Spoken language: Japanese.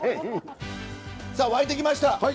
さあ沸いてきました。